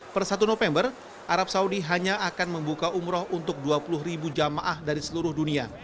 per satu november arab saudi hanya akan membuka umroh untuk dua puluh ribu jamaah dari seluruh dunia